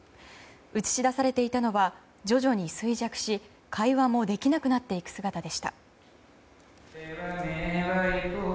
映し出されていたのは徐々に衰弱し会話もできなくなっていく姿でした。